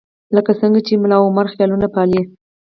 لکه څنګه چې ملاعمر خیالونه پالي.